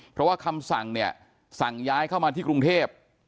เพราะว่าคำสั่งเนี่ยสั่งย้ายเข้ามาที่กรุงเทพ